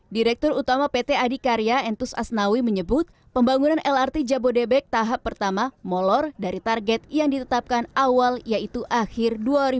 direktur utama pt adikarya entus asnawi menyebut pembangunan lrt jabodebek tahap pertama molor dari target yang ditetapkan awal yaitu akhir dua ribu dua puluh